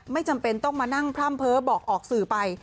จำเป็นต้องมานั่งพร่ำเพ้อบอกออกสื่อไป